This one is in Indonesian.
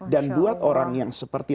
dan buat orang yang seperti